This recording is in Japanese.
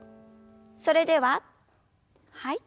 それでははい。